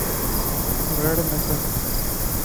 رڙ نڪر